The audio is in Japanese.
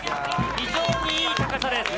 非常にいい高さです。